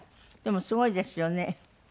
でもすごいですよね。